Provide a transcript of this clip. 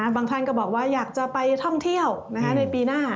ท่านก็บอกว่าอยากจะไปท่องเที่ยวในปีหน้า